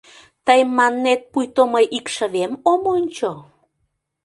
Тый маннет, пуйто мый икшывем ом ончо?